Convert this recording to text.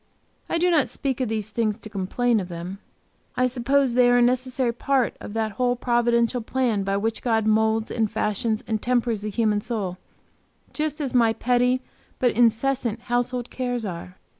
I do not speak of these things to complain of them. I suppose they are a necessary part of that whole providential plan by which God moulds and fashions and tempers the human soul, just as my petty, but incessant household cares are.